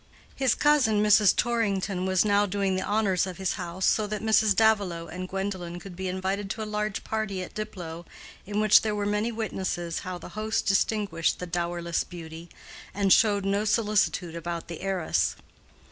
His cousin, Mrs. Torrington, was now doing the honors of his house, so that Mrs. Davilow and Gwendolen could be invited to a large party at Diplow in which there were many witnesses how the host distinguished the dowerless beauty, and showed no solicitude about the heiress.